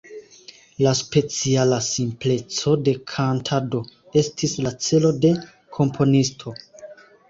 La speciala simpleco de kantado estis la celo de komponisto.